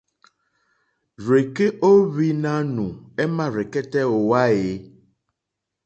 Rzeke o ohwi nanù ema rzekɛtɛ o wa e?